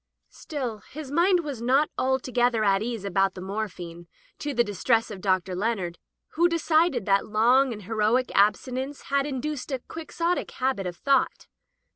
Still, his mind was not altogether at ease about the morphine, to the distress of Dr, Leonard, who decided that long and heroic abstinence had induced a Quixotic habit of thought.